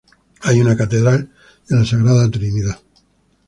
Hay una Catedral de La Sagrada Trinidad.